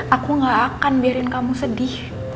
aku gak akan biarin kamu sedih